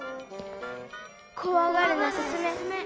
こわがるなすすめ。